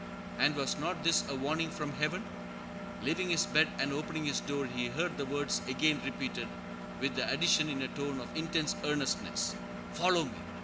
And was not this a warning from Heaven? Leaving his bed and opening his door, he heard the words again repeated, with the addition, in a tone of intense earnestness, "Follow me!"